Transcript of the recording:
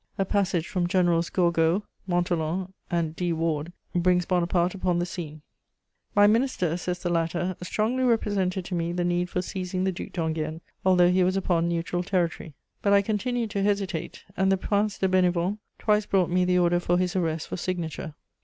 A passage from Generals Gourgaud, Montholon, and D. Ward, brings Bonaparte upon the scene: "My Minister," says the latter, "strongly represented to me the need for seizing the Duc d'Enghien, although he was upon neutral territory. But I continued to hesitate, and the Prince de Bénévent twice brought me the order for his arrest for signature.